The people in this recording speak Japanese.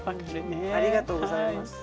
ありがとうございます。